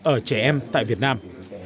ở trẻ em tại việt nam